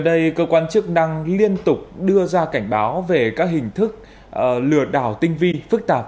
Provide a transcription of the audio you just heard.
đây cơ quan chức năng liên tục đưa ra cảnh báo về các hình thức lừa đảo tinh vi phức tạp